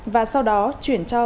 và sau đó chuyển cho